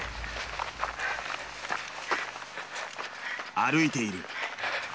歩いている。